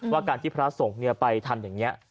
ว่าการที่พระทรงเนี่ยไปทันอย่างนี้